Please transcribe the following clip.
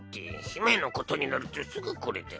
姫のことになるとすぐこれだ。